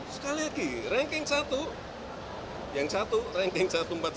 sekali lagi ranking satu yang satu ranking satu ratus empat puluh satu